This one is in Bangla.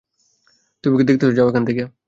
তুমি কি দেখতাসো, যাও এখান থেইক্কা।